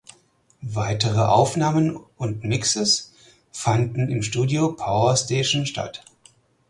Weitere Aufnahmen und Mixes fanden im Studio Power Station statt.